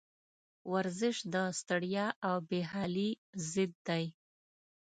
ورزش د ستړیا او بېحالي ضد دی.